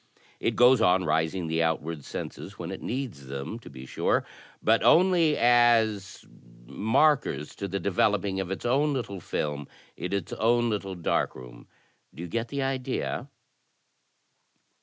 It goes on,|ising the outward senses when it needs them, to l^jsiure, but only as sMs to the developing of its own little film in its own little dark room. Do you get the idea?"